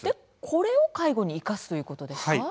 これを介護に生かすということですか。